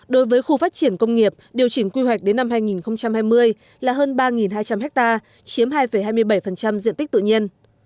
đối với khu phát triển công nghiệp điều chỉnh quy hoạch đến năm hai nghìn hai mươi là hơn ba hai trăm linh ha chiếm hai hai mươi bảy diện tích tự nhiên